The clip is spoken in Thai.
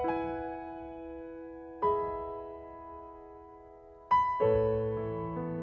ขอต้อนรับครอบครัวน้องต้นไม้